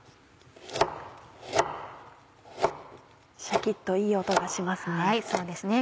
シャキっといい音がしますね。